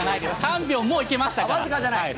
３秒もいけましたから。